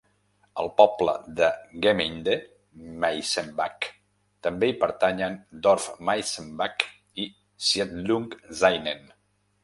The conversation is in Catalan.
Al poble de Gemeinde Maisenbach també hi pertanyen Dorf Maisenbach i Siedlung Zainen.